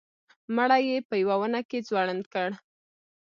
مړی یې په یوه ونه کې ځوړند کړ.